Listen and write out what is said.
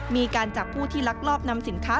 มีการจับผู้ที่ลักลอบนำสินค้า